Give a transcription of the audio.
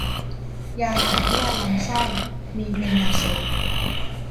ยาถ่ายพยาธิลำไส้ มีเบนดาโซล